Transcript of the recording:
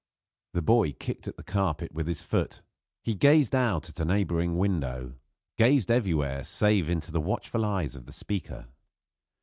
The boy kicked at the carpet with his foot; he gazed out at a neighboring window; gazed everywhere save into the watchful eyes of the speaker.